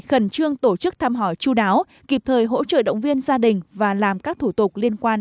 khẩn trương tổ chức thăm hỏi chú đáo kịp thời hỗ trợ động viên gia đình và làm các thủ tục liên quan